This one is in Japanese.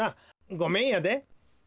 ごめんやで。